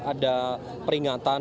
ada peringatan dari otoritas